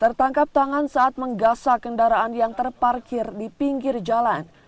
tertangkap tangan saat menggasak kendaraan yang terparkir di pinggir jalan